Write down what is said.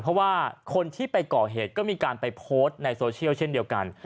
เพราะว่าคนที่ไปก่อเหตุก็มีการไปโพสต์ในโซเชียลเช่นเดียวกัน